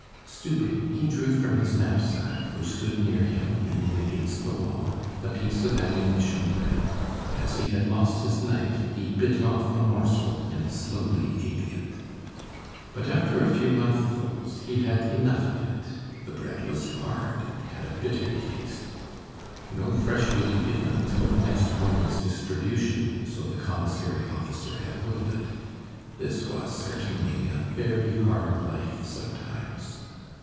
Stooping, he drew from his knapsack, which stood near him leaning against the wall, a piece of ammunition bread, and as he had lost his knife, he bit off a morsel and slowly ate it. But after a few mouthfuls, he had enough of it; the bread was hard and had a bitter taste. No fresh would be given until the next morning's distribution, so the commissary officer had willed it. This was certainly a very hard life sometimes.